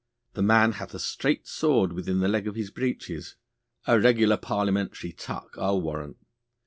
The man hath a straight sword within he leg of his breeches. A regular Parliamentary tuck, I'll warrant.